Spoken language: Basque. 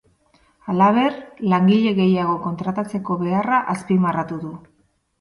Halaber, langile gehiago kontratatzeko beharra azpimarratu du.